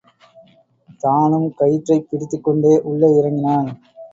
தானும் கயிற்றைப் பிடித்துக்கொண்டே உள்ளே இறங்கினான்.